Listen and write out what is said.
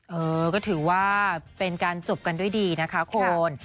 เออก็ถือว่าเป็นการจบกันด้วยดีนะคะคุณ